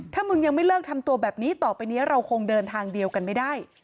ถ้ามึงยังไม่เลิกทำตัวแบบนี้ต่อไปนี้เราคงเดินทางเดียวกันไม่ได้